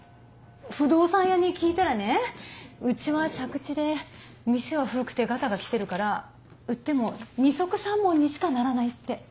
不動産屋に聞いたらねうちは借地で店は古くてガタが来てるから売っても二束三文にしかならないって。